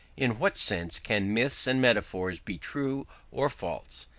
In what sense can myths and metaphors be true or false?